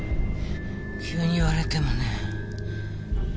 急に言われてもねえ。